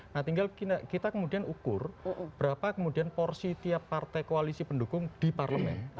nah tinggal kita kemudian ukur berapa kemudian porsi tiap partai koalisi pendukung di parlemen